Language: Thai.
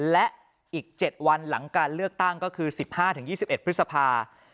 และอีก๗วันหลังการเลือกตั้งก็คือ๑๕๒๑พฤษภา